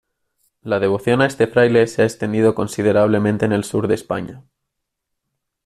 La devoción a este fraile se ha extendido considerablemente en el sur de España.